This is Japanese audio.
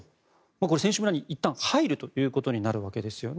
これ、選手村にいったん入ることになるわけですね。